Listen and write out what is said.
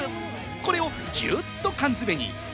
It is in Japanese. これをギュッと缶詰に。